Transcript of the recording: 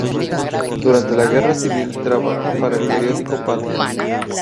Durante la guerra civil trabaja para el periódico Patria.